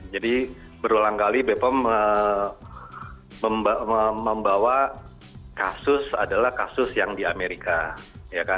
jadi berulang kali bpom membawa kasus adalah kasus yang di amerika